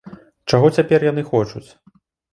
Чаго цяпер яны хочуць?